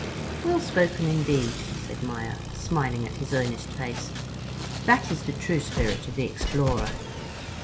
"Well spoken indeed," said Maia, smiling at his earnest face. "That is the true spirit of the explorer."